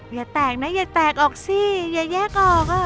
อย่าแตกนะอย่าแตกออกสิอย่าแยกออกอ่ะ